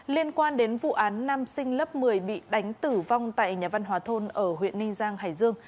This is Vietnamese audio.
liên quan đến vụ án nam sinh lớp một mươi bị đánh tử vong tại nhà văn hóa thôn ở huyện ninh giang hải dương